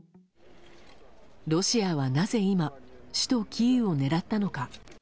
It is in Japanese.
ロシアはなぜ今、首都キーウを狙ったのか。